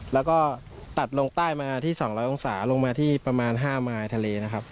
แล้วก็ตัดลงใต้มาที่๒๐๐องศาลงมาที่ประมาณ๕มายทะเลนะครับ